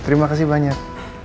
terima kasih banyak